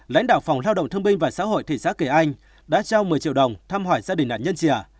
lãnh đạo phòng lao động thương binh và xã hội thị xã kỳ anh đã trao một mươi triệu đồng thăm hỏi gia đình nạn nhân trẻ